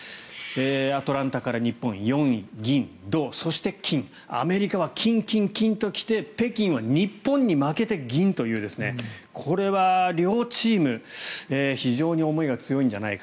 アトランタから日本は４位、銀、銅そして金アメリカは金、金、金と来て北京は日本に負けて銀というこれは両チーム非常に思いが強いんじゃないか。